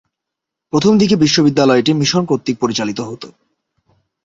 প্রথম দিকে বিদ্যালয়টি মিশন কর্তৃক পরিচালিত হত।